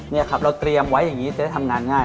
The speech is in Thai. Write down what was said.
นี่ครับเราเตรียมไว้อย่างนี้จะได้ทำงานง่าย